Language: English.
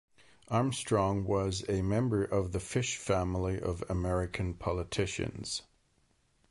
Armstrong was a member of the Fish Family of American politicians.